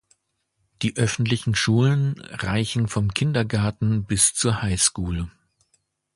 Die öffentlichen Schulen reichen vom Kindergarten bis zur High School.